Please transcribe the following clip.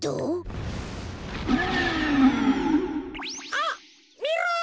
あっみろ！